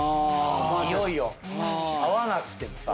いよいよ会わなくてもさ。